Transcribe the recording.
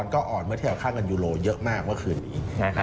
ก็อ่อนเมื่อที่เอาค่าเงินยูโรเยอะมากว่าคืนนี้